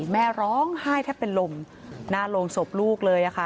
แม่ร้องไห้แทบเป็นลมหน้าโรงศพลูกเลยค่ะ